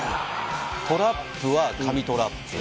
トラップは神トラップ。